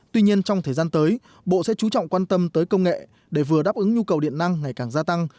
tuy nhiên trong thời gian tới bộ sẽ chú trọng quan tâm tới công nghệ để vừa đáp ứng nhu cầu điện năng ngày càng gia tăng